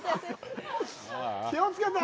気をつけて。